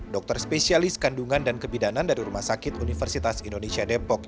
dokter spesialis kandungan dan kebidanan dari rumah sakit universitas indonesia depok